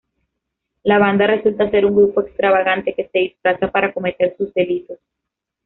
La banda resulta ser un grupo extravagante que se disfraza para cometer sus delitos.